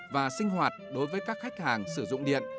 và sinh hoạt đối với các khách hàng sử dụng điện